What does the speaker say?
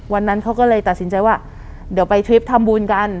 วันนั้นเขาก็เลยตัดสินใจว่าเดี๋ยวไปทริปทำบุญกัน